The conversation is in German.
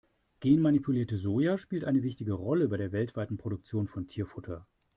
Genmanipuliertes Soja spielt eine wichtige Rolle bei der weltweiten Produktion von Tierfutter.